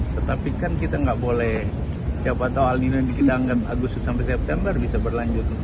tetapi kan kita nggak boleh siapa tahu al nino kita anggap agustus sampai september bisa berlanjut